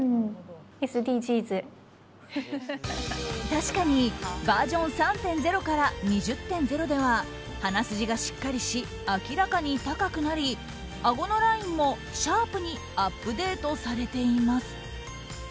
確かにバージョン３．０から２０．０では鼻筋がしっかりし明らかに高くなりあごのラインもシャープにアップデートされています。